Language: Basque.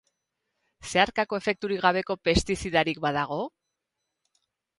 Zeharkako efekturik gabeko pestizidarik badago?